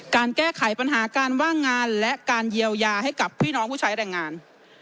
การแก้ไขปัญหาการว่างงานและการเยียวยาให้กับพี่น้องผู้ใช้แรงงาน